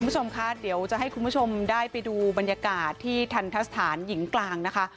คุณผู้ชมคะเดี๋ยวจะให้คุณผู้ชมได้ไปดูบรรยากาศที่ทันทะสถานหญิงกลางนะคะ